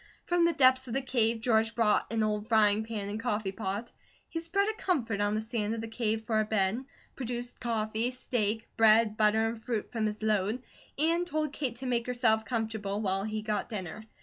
From the depths of the cave George brought an old frying pan and coffee pot. He spread a comfort on the sand of the cave for a bed, produced coffee, steak, bread, butter, and fruit from his load, and told Kate to make herself comfortable while he got dinner.